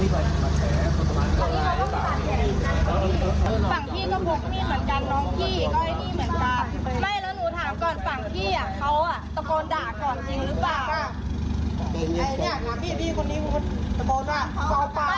ไม่แล้วพี่เบิ้ลรถใส่เขาก่อนหรือเปล่า